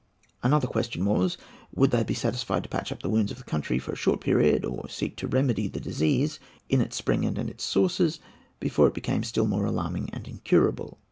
Another question was, would they be satisfied to patch up the wounds of the country for a short period or seek to remedy the disease in its spring and in its sources before it became still more alarming and incurable?